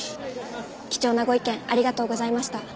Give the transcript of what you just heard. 貴重なご意見ありがとうございました。